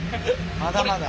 まだまだ。